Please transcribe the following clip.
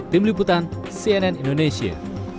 tim liputan cnn indonesia